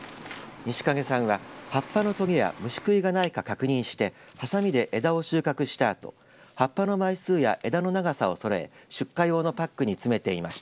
西蔭さんは、葉っぱのとげや虫食いがないか確認してはさみで枝を収穫したあとはっぱや枝の長さをそろえ出荷用のパックに詰めていました。